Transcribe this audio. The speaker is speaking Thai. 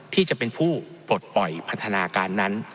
ที่จะเป็นผู้ปลดปล่อยพัฒนาการนั้น